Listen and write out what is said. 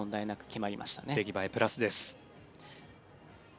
出来栄え、プラスです。